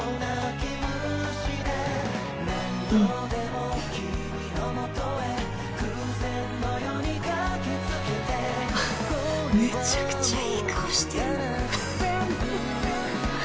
うんめちゃくちゃいい顔してるハハハ